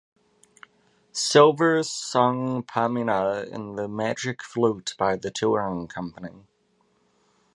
Silver sung Pamina in "The Magic Flute" by the touring company.